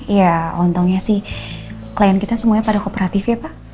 ya untungnya sih klien kita semuanya pada kooperatif ya pak